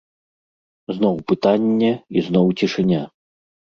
Зноў пытанне, і зноў цішыня.